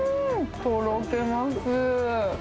とろけます。